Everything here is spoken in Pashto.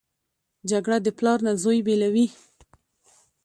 جګړه د پلار نه زوی بېلوي